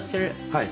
「はい。